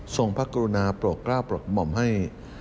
พระกรุณาโปรดกล้าปลดหม่อมให้